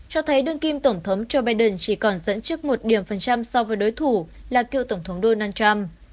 cho thấy đương kim tổng thống joe biden chỉ còn dẫn trước một điểm phần trăm so với đối thủ là cựu tổng thống donald trump